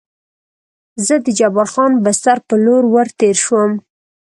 زه د جبار خان بستر په لور ور تېر شوم.